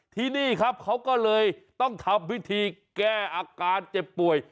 ที่นี่ครับเขาก็เลยต้องทำวิธีแก้อาการเจ็บป่วย